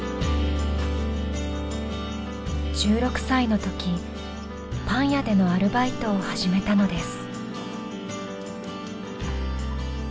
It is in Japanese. １６歳の時パン屋でのアルバイトを始めたのです。